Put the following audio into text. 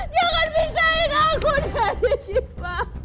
jangan pisahin aku dari syifa